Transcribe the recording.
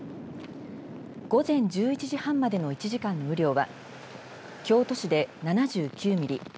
午前１１時半までの１時間の雨量は京都市で７９ミリ